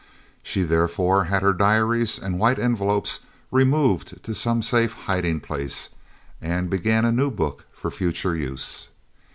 She therefore had her diaries and white envelopes removed to some safe hiding place and began a new book for future use.